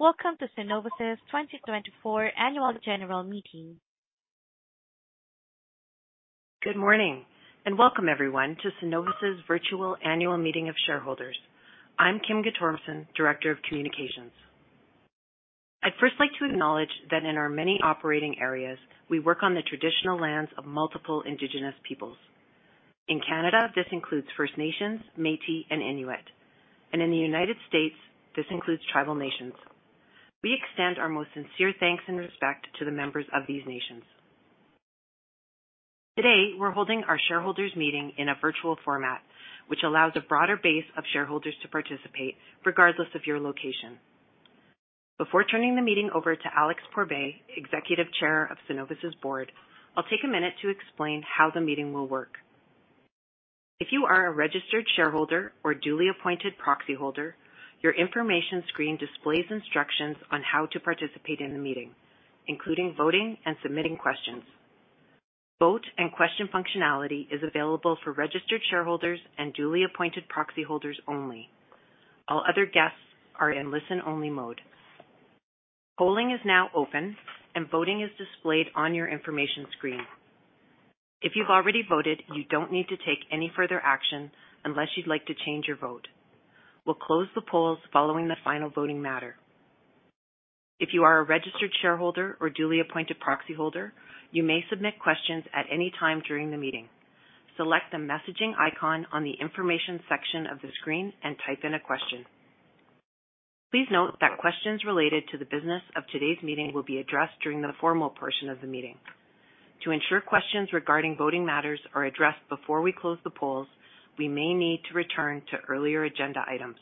Welcome to Cenovus' 2024 Annual General Meeting. Good morning, and welcome everyone to Cenovus' virtual annual meeting of shareholders. I'm Kim Guttormson, Director of Communications. I'd first like to acknowledge that in our many operating areas, we work on the traditional lands of multiple Indigenous peoples. In Canada, this includes First Nations, Métis, and Inuit, and in the United States, this includes Tribal Nations. We extend our most sincere thanks and respect to the members of these nations. Today, we're holding our shareholders' meeting in a virtual format, which allows a broader base of shareholders to participate, regardless of your location. Before turning the meeting over to Alex Pourbaix, Executive Chair of Cenovus' board, I'll take a minute to explain how the meeting will work. If you are a registered shareholder or duly appointed proxy holder, your information screen displays instructions on how to participate in the meeting, including voting and submitting questions. Vote and question functionality is available for registered shareholders and duly appointed proxy holders only. All other guests are in listen-only mode. Polling is now open, and voting is displayed on your information screen. If you've already voted, you don't need to take any further action unless you'd like to change your vote. We'll close the polls following the final voting matter. If you are a registered shareholder or duly appointed proxy holder, you may submit questions at any time during the meeting. Select the messaging icon on the information section of the screen and type in a question. Please note that questions related to the business of today's meeting will be addressed during the formal portion of the meeting. To ensure questions regarding voting matters are addressed before we close the polls, we may need to return to earlier agenda items.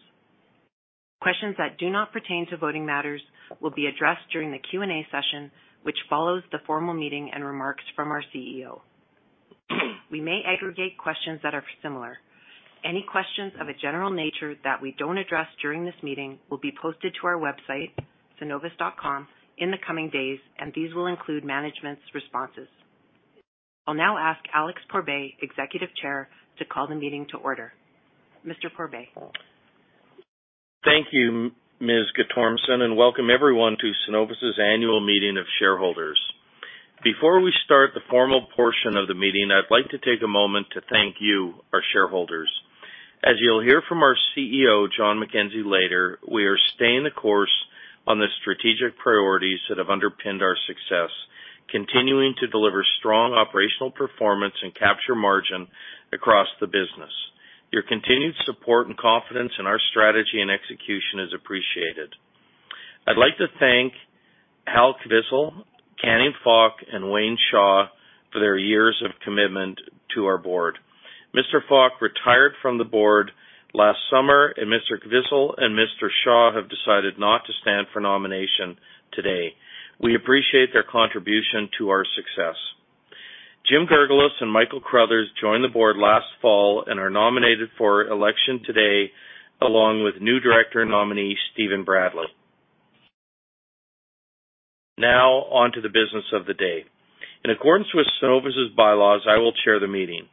Questions that do not pertain to voting matters will be addressed during the Q and A session, which follows the formal meeting and remarks from our CEO. We may aggregate questions that are similar. Any questions of a general nature that we don't address during this meeting will be posted to our website, cenovus.com, in the coming days, and these will include management's responses. I'll now ask Alex Pourbaix, Executive Chair, to call the meeting to order. Mr. Pourbaix. Thank you, Ms. Guttormson, and welcome everyone to Cenovus' annual meeting of shareholders. Before we start the formal portion of the meeting, I'd like to take a moment to thank you, our shareholders. As you'll hear from our CEO, Jon McKenzie, later, we are staying the course on the strategic priorities that have underpinned our success, continuing to deliver strong operational performance and capture margin across the business. Your continued support and confidence in our strategy and execution is appreciated. I'd like to thank Hal Kvisle, Canning Fok, and Wayne Shaw for their years of commitment to our board. Mr. Fok retired from the board last summer, and Mr. Kvisle and Mr. Shaw have decided not to stand for nomination today. We appreciate their contribution to our success. Jim Girgulis and Michael Crothers joined the board last fall and are nominated for election today, along with new director nominee Steven Bradley. Now, on to the business of the day. In accordance with Cenovus' bylaws, I will chair the meeting.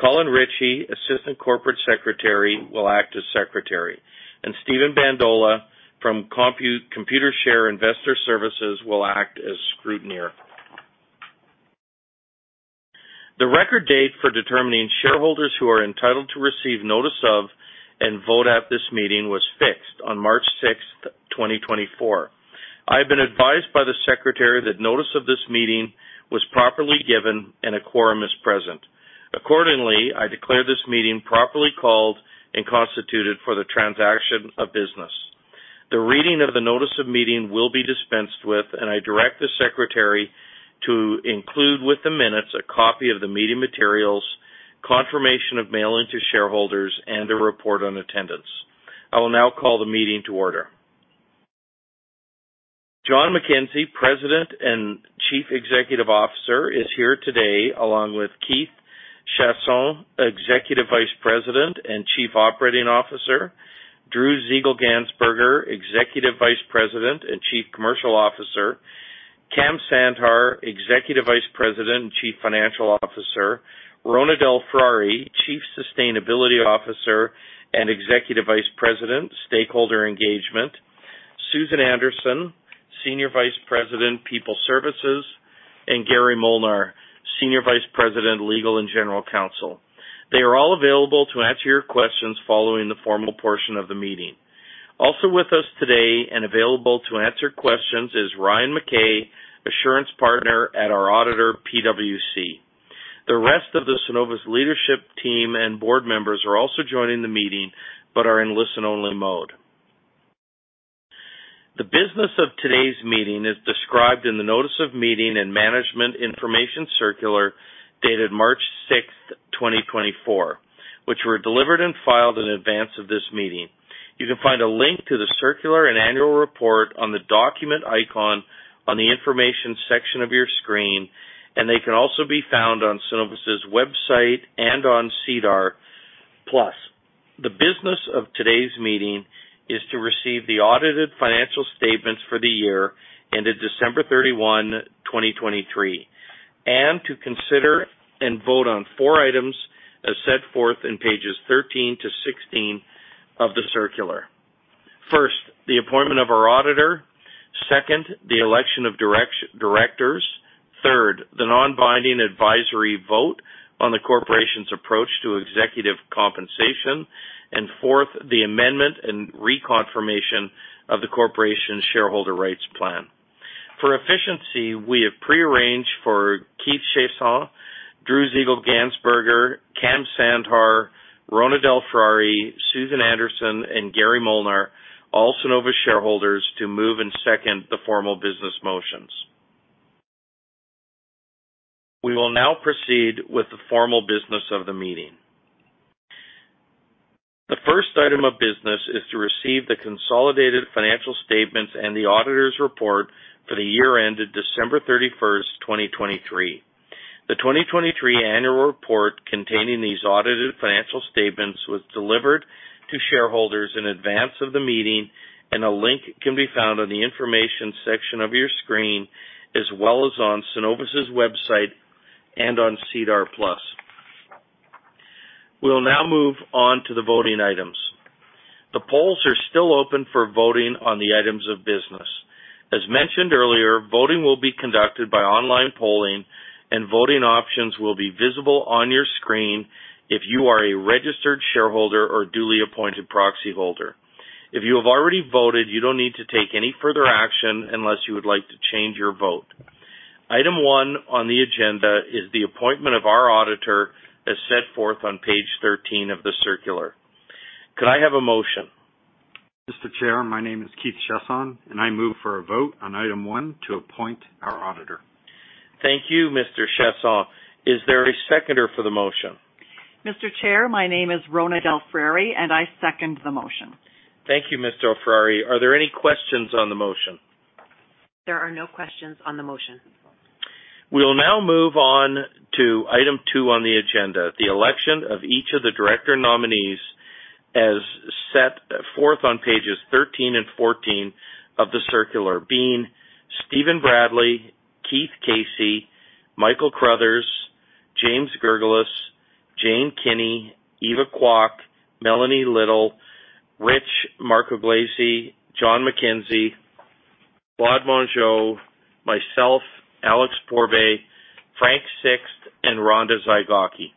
Colin Ritchie, Assistant Corporate Secretary, will act as Secretary, and Steven Bandola from Computershare Investor Services will act as Scrutineer. The record date for determining shareholders who are entitled to receive notice of and vote at this meeting was fixed on March 6th, 2024. I have been advised by the Secretary that notice of this meeting was properly given and a quorum is present. Accordingly, I declare this meeting properly called and constituted for the transaction of business. The reading of the notice of meeting will be dispensed with, and I direct the Secretary to include with the minutes a copy of the meeting materials, confirmation of mailing to shareholders, and a report on attendance. I will now call the meeting to order. Jon McKenzie, President and Chief Executive Officer, is here today, along with Keith Chiasson, Executive Vice President and Chief Operating Officer; Drew Zieglgansberger, Executive Vice President and Chief Commercial Officer; Kam Sandhar, Executive Vice President and Chief Financial Officer; Rhona Delfrari, Chief Sustainability Officer and Executive Vice President, Stakeholder Engagement; Susan Anderson, Senior Vice President, People Services; and Gary Molnar, Senior Vice President, Legal and General Counsel. They are all available to answer your questions following the formal portion of the meeting. Also with us today and available to answer questions is Ryan McKay, Assurance Partner at our auditor, PwC. The rest of the Cenovus leadership team and board members are also joining the meeting but are in listen-only mode. The business of today's meeting is described in the notice of meeting and management information circular dated March 6th, 2024, which were delivered and filed in advance of this meeting. You can find a link to the circular and annual report on the document icon on the information section of your screen, and they can also be found on Cenovus' website and on SEDAR+, the business of today's meeting is to receive the audited financial statements for the year ended December 31, 2023, and to consider and vote on four items as set forth in page 13 - page 16 of the circular. First, the appointment of our auditor. Second, the election of directors. Third, the non-binding advisory vote on the corporation's approach to executive compensation. Fourth, the amendment and reconfirmation of the corporation's shareholder rights plan. For efficiency, we have prearranged for Keith Chiasson, Drew Zieglgansberger, Kam Sandhar, Rhona Delfrari, Susan Anderson, and Gary Molnar, all Cenovus shareholders, to move and second the formal business motions. We will now proceed with the formal business of the meeting. The first item of business is to receive the consolidated financial statements and the auditor's report for the year ended December 31st, 2023. The 2023 annual report containing these audited financial statements was delivered to shareholders in advance of the meeting, and a link can be found on the information section of your screen, as well as on Cenovus' website and on SEDAR+. We'll now move on to the voting items. The polls are still open for voting on the items of business. As mentioned earlier, voting will be conducted by online polling, and voting options will be visible on your screen if you are a registered shareholder or duly appointed proxy holder. If you have already voted, you do not need to take any further action unless you would like to change your vote. Item one on the agenda is the appointment of our auditor, as set forth on page 13 of the circular. Could I have a motion? Mr. Chair, my name is Keith Chiasson, and I move for a vote on item one to appoint our auditor. Thank you, Mr. Chiasson. Is there a seconder for the motion? Mr. Chair, my name is Rhona Delfrari, and I second the motion. Thank you, Ms. Delfrari. Are there any questions on the motion? There are no questions on the motion. We'll now move on to item two on the agenda, the election of each of the director nominees as set forth on pages 13 and page 14 of the circular, being Stephen Bradley, Keith Casey, Michael Crothers, James Girgulis, Jane Kinney, Eva Kwok, Melanie Little, Rich Marcogliese, Jon McKenzie, Claude Mongeau, myself, Alex Pourbaix, Frank Sixt, and Rhonda Zygocki.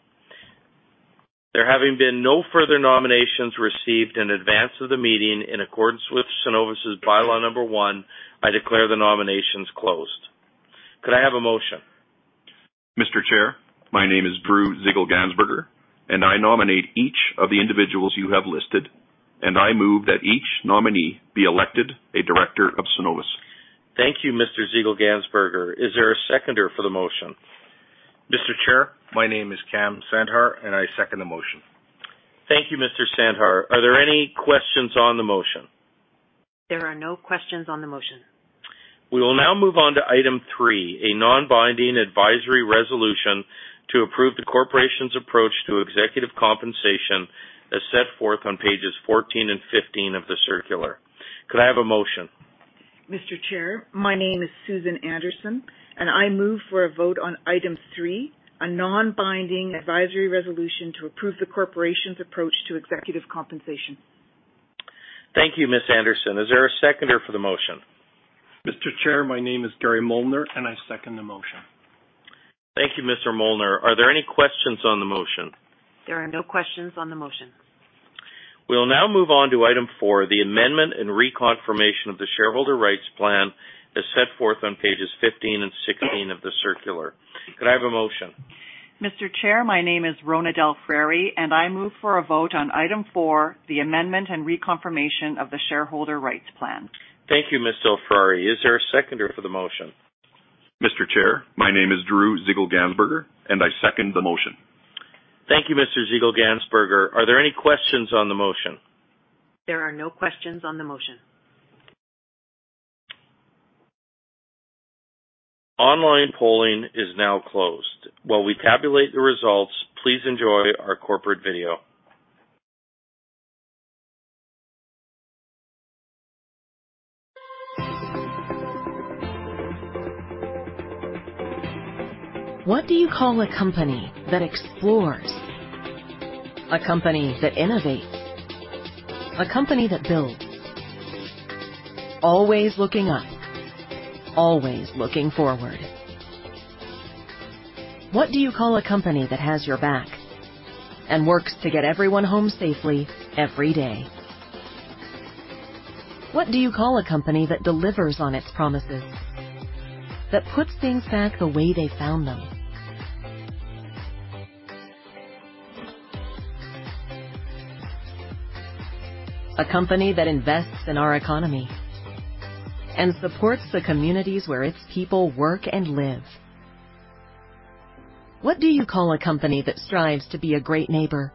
There having been no further nominations received in advance of the meeting, in accordance with Cenovus' bylaw number one, I declare the nominations closed. Could I have a motion? Mr. Chair, my name is Drew Zieglgansberger, and I nominate each of the individuals you have listed, and I move that each nominee be elected a director of Cenovus. Thank you, Mr. Zieglgansberger. Is there a seconder for the motion? Mr. Chair, my name is Kam Sandhar, and I second the motion. Thank you, Mr. Sandhar. Are there any questions on the motion? There are no questions on the motion. We will now move on to item three, a non-binding advisory resolution to approve the corporation's approach to executive compensation, as set forth on pages 14 and page 15 of the circular. Could I have a motion? Mr. Chair, my name is Susan Anderson, and I move for a vote on item three, a non-binding advisory resolution to approve the corporation's approach to executive compensation. Thank you, Ms. Anderson. Is there a seconder for the motion? Mr. Chair, my name is Gary Molnar, and I second the motion. Thank you, Mr. Molnar. Are there any questions on the motion? There are no questions on the motion. We'll now move on to item four, the amendment and reconfirmation of the shareholder rights plan, as set forth on pages 15 and page 16 of the circular. Could I have a motion? Mr. Chair, my name is Rhona Delfrari, and I move for a vote on item four, the amendment and reconfirmation of the shareholder rights plan. Thank you, Ms. Delfrari. Is there a seconder for the motion? Mr. Chair, my name is Drew Zieglgansberger, and I second the motion. Thank you, Mr. Zieglgansberger. Are there any questions on the motion? There are no questions on the motion. Online polling is now closed. While we tabulate the results, please enjoy our corporate video. What do you call a company that explores? A company that innovates? A company that builds? Always looking up? Always looking forward? What do you call a company that has your back and works to get everyone home safely every day? What do you call a company that delivers on its promises? That puts things back the way they found them? A company that invests in our economy and supports the communities where its people work and live? What do you call a company that strives to be a great neighbor?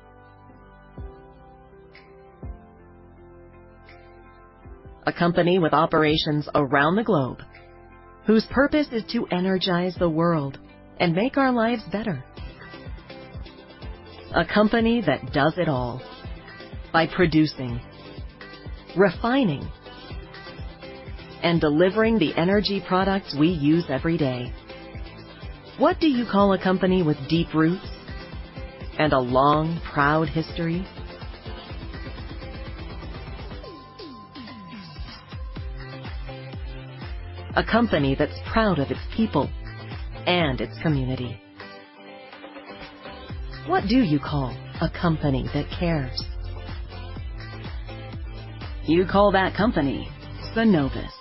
A company with operations around the globe, whose purpose is to energize the world and make our lives better? A company that does it all by producing, refining, and delivering the energy products we use every day? What do you call a company with deep roots and a long, proud history? A company that's proud of its people and its community? What do you call a company that cares? You call that company Cenovus.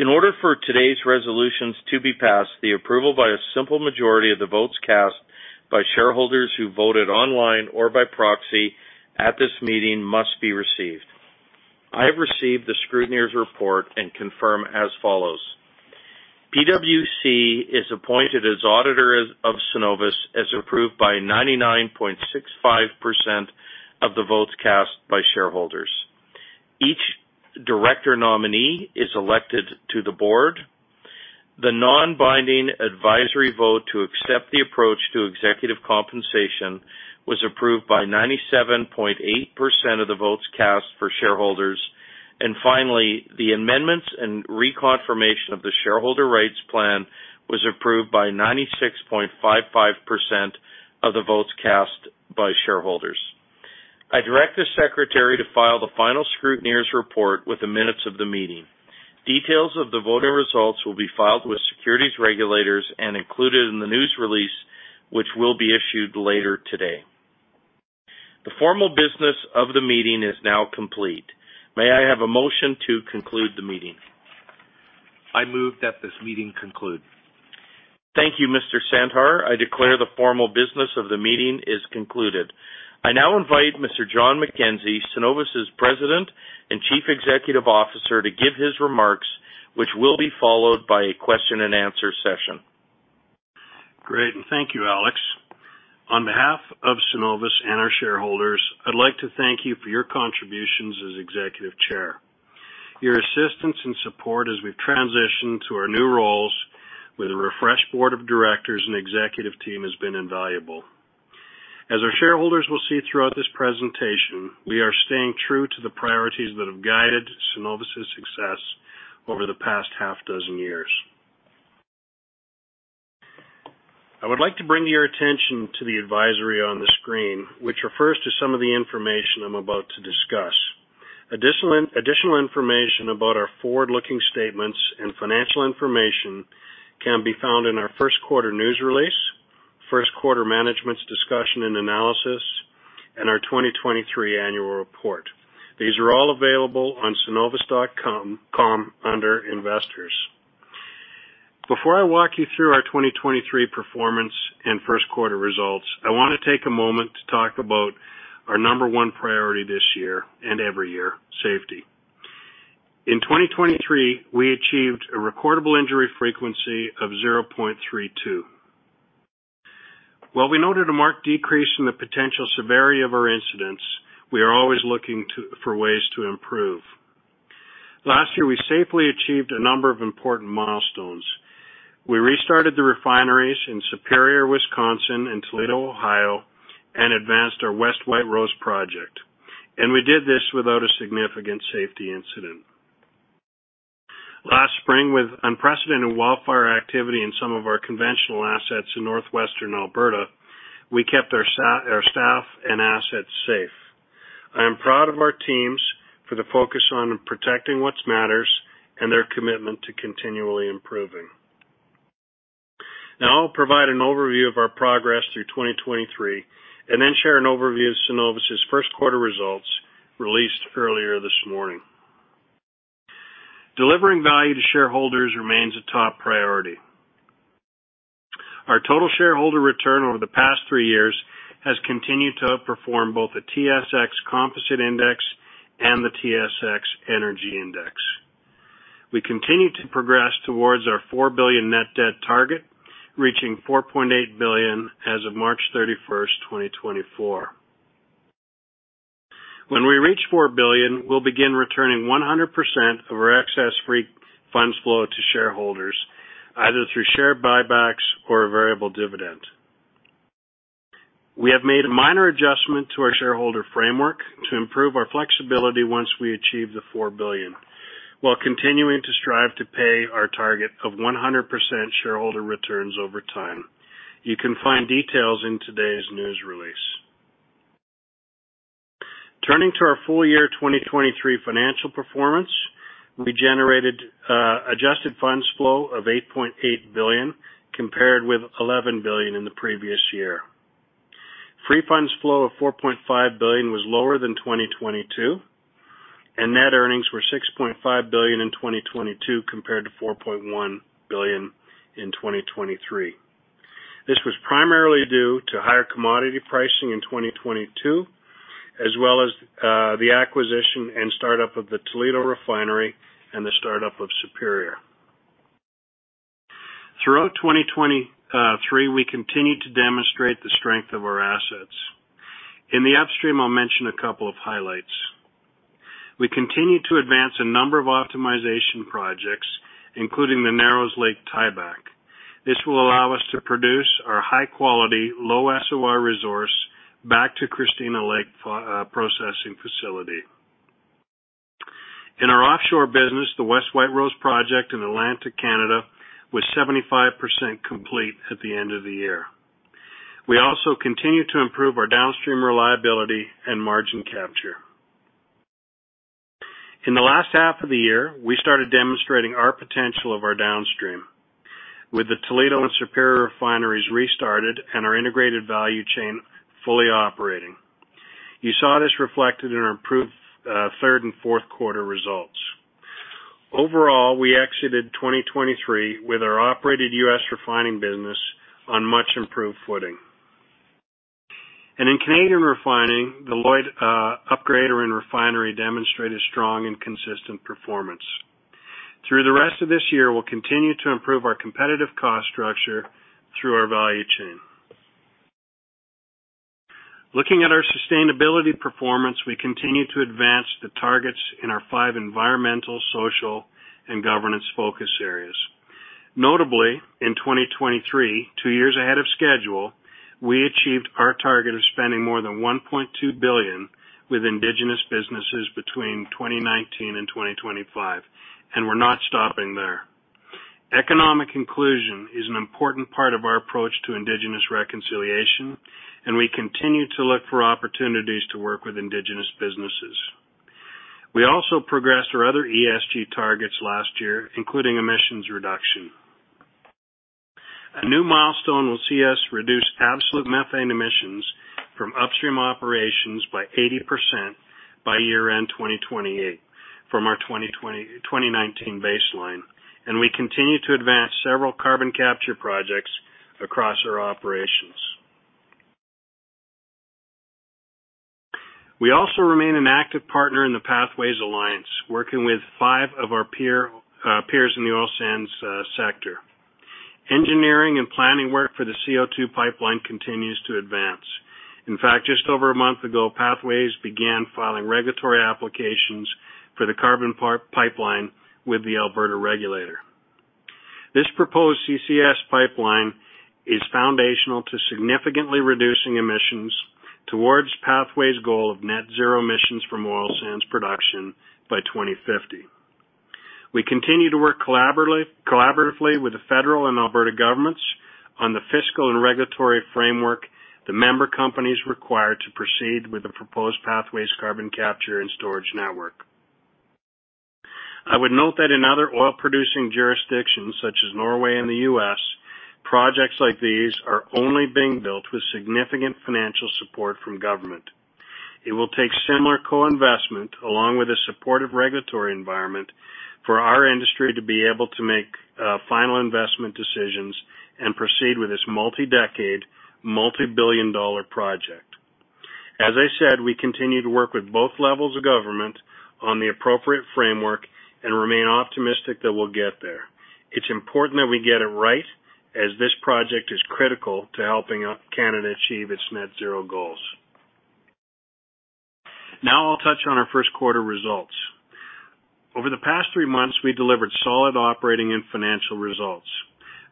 In order for today's resolutions to be passed, the approval by a simple majority of the votes cast by shareholders who voted online or by proxy at this meeting must be received. I have received the Scrutineer's report and confirm as follows. PwC is appointed as auditor of Cenovus as approved by 99.65% of the votes cast by shareholders. Each director nominee is elected to the board. The non-binding advisory vote to accept the approach to executive compensation was approved by 97.8% of the votes cast for shareholders. Finally, the amendments and reconfirmation of the shareholder rights plan was approved by 96.55% of the votes cast by shareholders. I direct the Secretary to file the final Scrutineer's report with the minutes of the meeting. Details of the voting results will be filed with securities regulators and included in the news release, which will be issued later today. The formal business of the meeting is now complete. May I have a motion to conclude the meeting? I move that this meeting conclude. Thank you, Mr. Sandhar. I declare the formal business of the meeting is concluded. I now invite Mr. Jon McKenzie, Cenovus' President and Chief Executive Officer, to give his remarks, which will be followed by a question-and-answer session. Great. Thank you, Alex. On behalf of Cenovus and our shareholders, I'd like to thank you for your contributions as Executive Chair. Your assistance and support as we've transitioned to our new roles with a refreshed board of directors and executive team has been invaluable. As our shareholders will see throughout this presentation, we are staying true to the priorities that have guided Cenovus' success over the past half dozen years. I would like to bring your attention to the advisory on the screen, which refers to some of the information I'm about to discuss. Additional information about our forward-looking statements and financial information can be found in our first quarter news release, first quarter management's discussion and analysis, and our 2023 annual report. These are all available on cenovus.com under Investors. Before I walk you through our 2023 performance and first quarter results, I want to take a moment to talk about our number one priority this year and every year, safety. In 2023, we achieved a recordable injury frequency of 0.32. While we noted a marked decrease in the potential severity of our incidents, we are always looking for ways to improve. Last year, we safely achieved a number of important milestones. We restarted the refineries in Superior, Wisconsin, and Toledo, Ohio, and advanced our West White Rose project. We did this without a significant safety incident. Last spring, with unprecedented wildfire activity in some of our conventional assets in northwestern Alberta, we kept our staff and assets safe. I am proud of our teams for the focus on protecting what matters and their commitment to continually improving. Now I'll provide an overview of our progress through 2023 and then share an overview of Cenovus' first quarter results released earlier this morning. Delivering value to shareholders remains a top priority. Our total shareholder return over the past three years has continued to outperform both the TSX Composite Index and the TSX Energy Index. We continue to progress towards our 4 billion net debt target, reaching 4.8 billion as of March 31st, 2024. When we reach 4 billion, we'll begin returning 100% of our excess free funds flow to shareholders, either through share buybacks or a variable dividend. We have made a minor adjustment to our shareholder framework to improve our flexibility once we achieve the 4 billion, while continuing to strive to pay our target of 100% shareholder returns over time. You can find details in today's news release. Turning to our full year 2023 financial performance, we generated adjusted funds flow of 8.8 billion compared with 11 billion in the previous year. Free funds flow of 4.5 billion was lower than 2022, and net earnings were 6.5 billion in 2022 compared to 4.1 billion in 2023. This was primarily due to higher commodity pricing in 2022, as well as the acquisition and startup of the Toledo refinery and the startup of Superior. Throughout 2023, we continued to demonstrate the strength of our assets. In the upstream, I'll mention a couple of highlights. We continue to advance a number of optimization projects, including the Narrows Lake tieback. This will allow us to produce our high-quality, low-SOR resource back to Christina Lake processing facility. In our offshore business, the West White Rose project in Atlantic Canada was 75% complete at the end of the year. We also continue to improve our downstream reliability and margin capture. In the last half of the year, we started demonstrating our potential of our downstream, with the Toledo and Superior refineries restarted and our integrated value chain fully operating. You saw this reflected in our improved third and fourth quarter results. Overall, we exited 2023 with our operated U.S. refining business on much-improved footing. In Canadian refining, the Lloyd Upgrader and refinery demonstrated strong and consistent performance. Through the rest of this year, we'll continue to improve our competitive cost structure through our value chain. Looking at our sustainability performance, we continue to advance the targets in our five environmental, social, and governance focus areas. Notably, in 2023, two years ahead of schedule, we achieved our target of spending more than 1.2 billion with Indigenous businesses between 2019 and 2025, and we're not stopping there. Economic inclusion is an important part of our approach to Indigenous reconciliation, and we continue to look for opportunities to work with Indigenous businesses. We also progressed our other ESG targets last year, including emissions reduction. A new milestone will see us reduce absolute methane emissions from upstream operations by 80% by year-end 2028 from our 2019 baseline, and we continue to advance several carbon capture projects across our operations. We also remain an active partner in the Pathways Alliance, working with five of our peers in the oil sands sector. Engineering and planning work for the CO2 pipeline continues to advance. In fact, just over a month ago, Pathways began filing regulatory applications for the carbon pipeline with the Alberta regulator. This proposed CCS pipeline is foundational to significantly reducing emissions towards Pathways' goal of net zero emissions from oil sands production by 2050. We continue to work collaboratively with the federal and Alberta governments on the fiscal and regulatory framework the member companies require to proceed with the proposed Pathways carbon capture and storage network. I would note that in other oil-producing jurisdictions such as Norway and the U.S., projects like these are only being built with significant financial support from government. It will take similar co-investment along with a supportive regulatory environment for our industry to be able to make final investment decisions and proceed with this multi-decade, multi-billion dollar project. As I said, we continue to work with both levels of government on the appropriate framework and remain optimistic that we'll get there. It's important that we get it right, as this project is critical to helping Canada achieve its net zero goals. Now I'll touch on our first quarter results. Over the past three months, we delivered solid operating and financial results.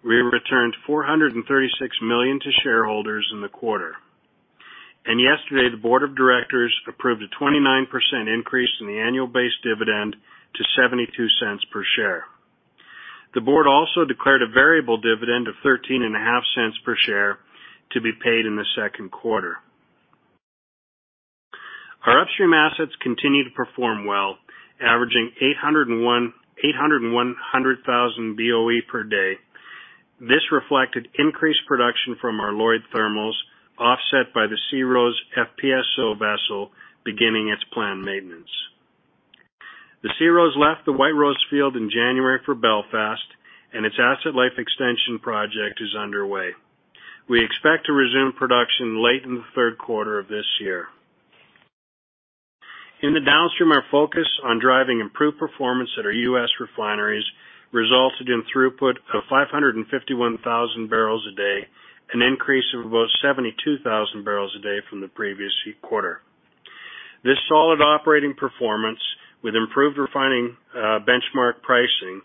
We returned 436 million to shareholders in the quarter. Yesterday, the board of directors approved a 29% increase in the annual base dividend to 0.72 per share. The board also declared a variable dividend of 0.135 per share to be paid in the second quarter. Our upstream assets continue to perform well, averaging 800,000 BOE per day. This reflected increased production from our Lloyd Thermals, offset by the Sea Rose FPSO vessel beginning its planned maintenance. The Sea Rose left the White Rose field in January for Belfast, and its asset life extension project is underway. We expect to resume production late in the third quarter of this year. In the downstream, our focus on driving improved performance at our U.S. refineries resulted in throughput of 551,000 bbl a day, an increase of about 72,000 bbl a day from the previous quarter. This solid operating performance with improved refining benchmark pricing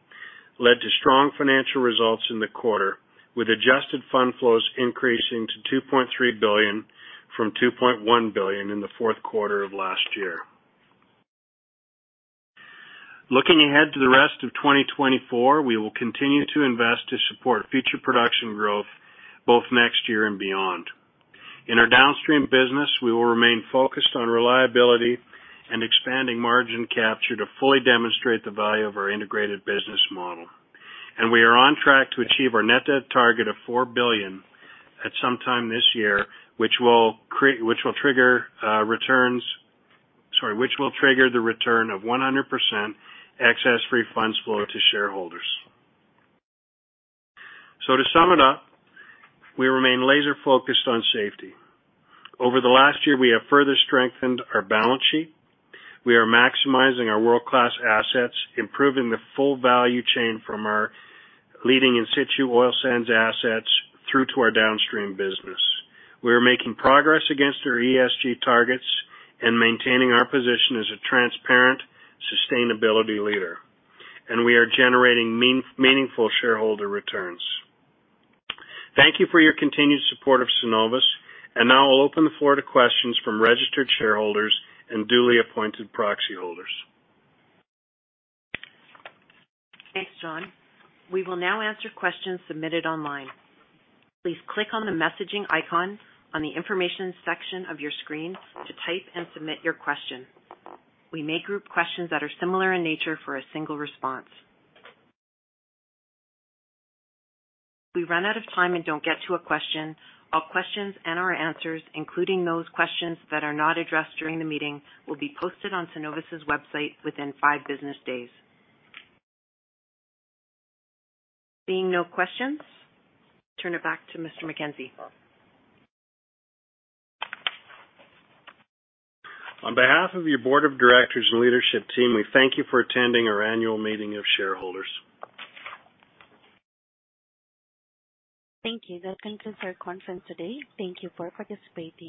led to strong financial results in the quarter, with adjusted fund flows increasing to 2.3 billion from 2.1 billion in the fourth quarter of last year. Looking ahead to the rest of 2024, we will continue to invest to support future production growth both next year and beyond. In our downstream business, we will remain focused on reliability and expanding margin capture to fully demonstrate the value of our integrated business model. We are on track to achieve our net debt target of CAD 4 billion at some time this year, which will trigger the return of 100% excess free funds flow to shareholders. To sum it up, we remain laser-focused on safety. Over the last year, we have further strengthened our balance sheet. We are maximizing our world-class assets, improving the full value chain from our leading in-situ oil sands assets through to our downstream business. We are making progress against our ESG targets and maintaining our position as a transparent sustainability leader. We are generating meaningful shareholder returns. Thank you for your continued support of Cenovus. Now I'll open the floor to questions from registered shareholders and duly appointed proxy holders. Thanks, Jon. We will now answer questions submitted online. Please click on the messaging icon on the information section of your screen to type and submit your question. We may group questions that are similar in nature for a single response. If we run out of time and don't get to a question, all questions and our answers, including those questions that are not addressed during the meeting, will be posted on Cenovus' website within five business days. Seeing no questions, turn it back to Mr. McKenzie. On behalf of your board of directors and leadership team, we thank you for attending our annual meeting of shareholders. Thank you. Welcome to our conference today. Thank you for participating.